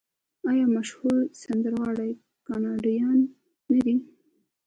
آیا مشهور سندرغاړي کاناډایان نه دي؟